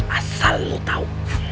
asal lu tau